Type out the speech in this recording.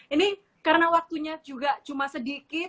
ini karena waktunya juga cuma sedikit